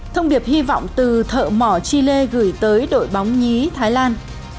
thông điệp hy vọng từ thợ mỏ chile gửi tới đội bóng nhí thái lan